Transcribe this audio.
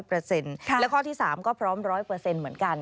และข้อที่๓ก็พร้อม๑๐๐เหมือนกัน